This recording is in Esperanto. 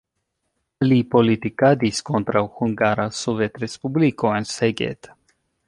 Li politikadis kontraŭ Hungara Sovetrespubliko en Szeged.